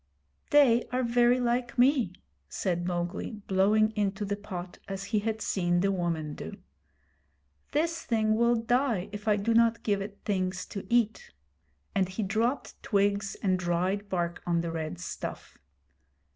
'They are very like me,' said Mowgli, blowing into the pot, as he had seen the woman do. 'This thing will die if I do not give it things to eat'; and he dropped twigs and dried bark on the red stuff.